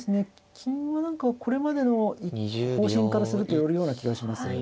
金は何かこれまでの方針からすると寄るような気がします。